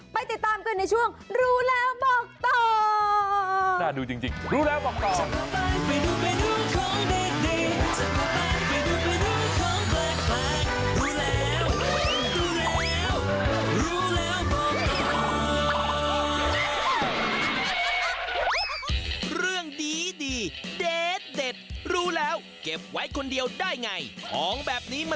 ติดตามกันในช่วงรู้แล้วบอกต่อ